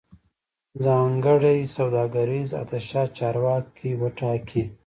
ځانګړی سوداګریز اتشه چارواکي وټاکي